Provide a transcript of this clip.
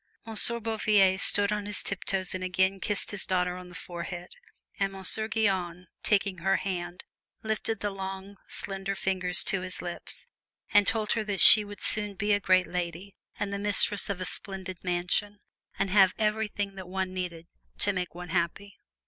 Monsieur Bouvier stood on his tiptoes and again kissed his daughter on the forehead, and Monsieur Guyon, taking her hand, lifted the long, slender fingers to his lips, and told her that she would soon be a great lady and the mistress of a splendid mansion, and have everything that one needed to make one happy.